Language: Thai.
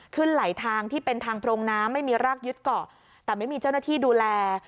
ไหลทางที่เป็นทางโพรงน้ำไม่มีรากยึดเกาะแต่ไม่มีเจ้าหน้าที่ดูแล